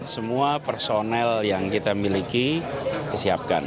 semua personel yang kita miliki disiapkan